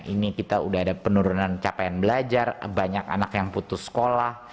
ini kita sudah ada penurunan capaian belajar banyak anak yang putus sekolah